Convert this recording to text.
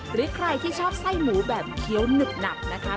หรือใครที่ชอบไส้หมูแบบเคี้ยวหนึบหนับนะคะ